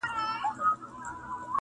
ګاونډي دي بچي پلوري له غربته,